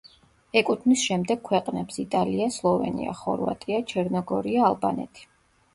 ეკუთვნის შემდეგ ქვეყნებს: იტალია, სლოვენია, ხორვატია, ჩერნოგორია, ალბანეთი.